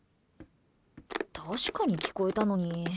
確かに聞こえたのに。